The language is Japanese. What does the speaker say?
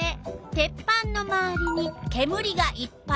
鉄板のまわりにけむりがいっぱい。